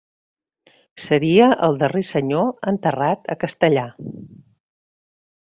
Seria el darrer Senyor enterrat a Castellar.